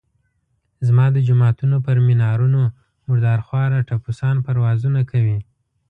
زما د جوماتونو پر منارونو مردار خواره ټپوسان پروازونه کوي.